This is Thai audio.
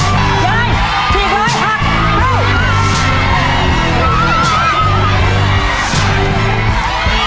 ๑๕พ่อไปเร็ว